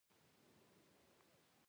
پر هر مسلمان د علم کول فرض دي.